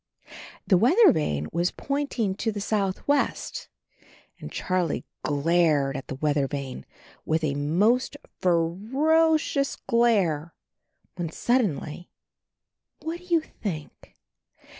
The weather vane was pointing to the south west and Charlie glared at the weather vane with a most fer o cious glare, when suddenly — what do you think?